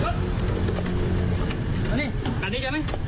อันนี้จะไหม